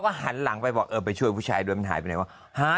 ก็หันหลังไปบอกเออไปช่วยผู้ชายด้วยมันหายไปไหนวะ